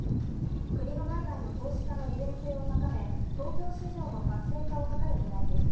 国の内外の投資家の利便性を高め、東京市場の活性化を図るねらいです。